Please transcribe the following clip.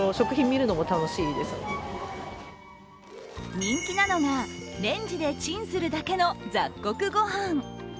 人気なのが、レンジでチンするだけの雑穀ごはん。